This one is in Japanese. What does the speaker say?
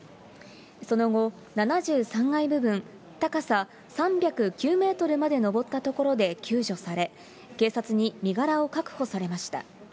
その後、７３階部分、高さ３０９メートルまで登ったところで救助され、警察に身柄を確保されました。